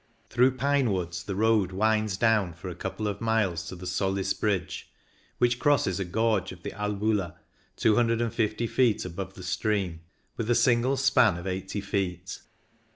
Through pine woods the road winds down for a couple of miles to the Solis Bridge, which crosses a gorge of the Albula, 250 feet above the stream, with a single span of 80 feet.